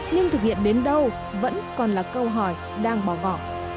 nhưng thực hiện đến đâu vẫn còn là câu hỏi đang bỏ vỏ